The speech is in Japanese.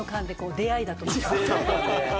出会いだと思う。